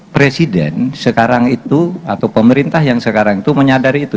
presiden sekarang itu atau pemerintah yang sekarang itu menyadari itu